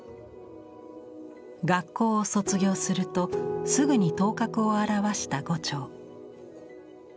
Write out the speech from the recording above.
学校を卒業するとすぐに頭角を現した牛腸。